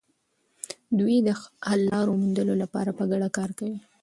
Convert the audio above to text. دوی د حل لارو موندلو لپاره په ګډه کار کوي.